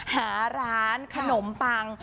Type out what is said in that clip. หาร้านขนมปัง